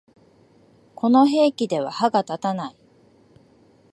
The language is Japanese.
この兵器では歯が立たない